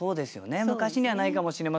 昔にはないかもしれませんけども。